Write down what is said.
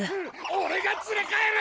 俺が連れ帰る！